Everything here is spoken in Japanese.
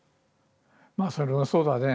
「まあそれはそうだね。